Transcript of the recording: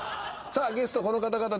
ゲストこの方々です